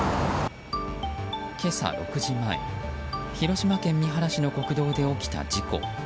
今朝６時前広島県三原市の国道で起きた事故。